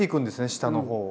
下の方を。